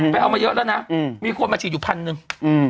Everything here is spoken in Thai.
เอามาเยอะแล้วนะมีคนมาฉีดอยู่พันหนึ่ง